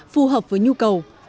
phù hợp với nhu cầu